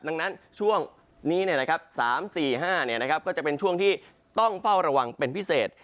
ดังนั้นช่วงนี้เนี่ยนะครับ๓๔๕เนี่ยนะครับก็จะเป็นช่วงที่ต้องเฝ้าระวังเป็นพิเศษ